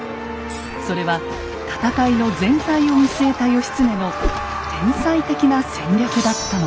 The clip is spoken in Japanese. それは戦いの全体を見据えた義経の天才的な戦略だったのです。